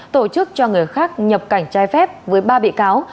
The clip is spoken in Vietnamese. tổ chức cho người khác nhập cảnh trái phép với ba bị cáo